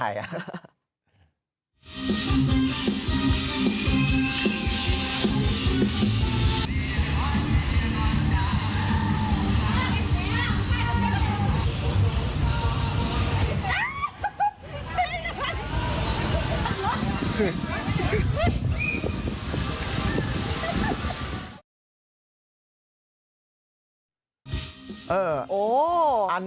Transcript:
อันนั้นรับ